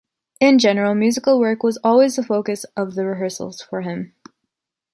In general, musical work was always the focus of the rehearsals for him.